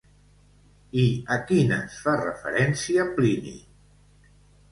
I a quines fa referència Plini?